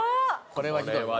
これはひどいわ。